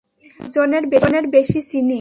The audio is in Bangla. কয়েকজনের বেশি চিনি।